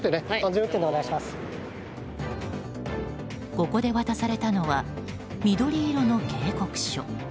ここで渡されたのは緑色の警告書。